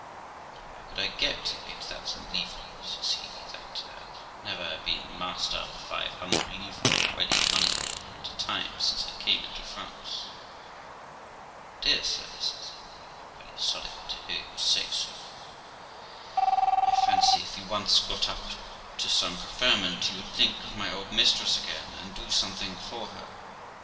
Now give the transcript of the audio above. ' But where could I get eight thousand livres ', says he, ' that have never been master of five hundred livres ready money at a time since I came into France?' 'Oh dear, sir!' says Amy, 'I am very sorry to hear you say so. I fancy, if you once got up to some preferment, you would think of my old mistress again, and do something for her.